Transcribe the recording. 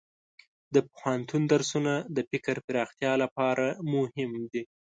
د پوهنتون درسونه د فکر پراختیا لپاره مهم دي.